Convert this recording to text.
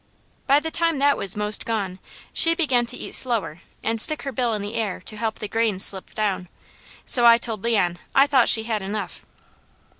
By the time that was most gone she began to eat slower, and stick her bill in the air to help the grains slip down, so I told Leon I thought she had enough.